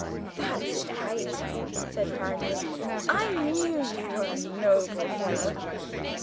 "That's right," said Paradine. "I knew you were a noble fellow!"